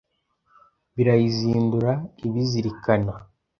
Birayizindura ibizirikana